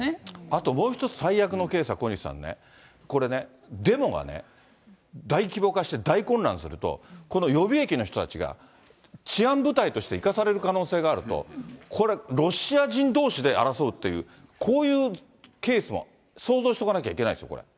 あともう一つ最悪のケースは、小西さんね、これね、デモがね、大規模化して、大混乱すると、この予備役の人たちが、治安部隊として行かされる可能性があると、これ、ロシア人どうしで争うっていう、こういうケースも想像しておかなきゃいけないですよ、これ。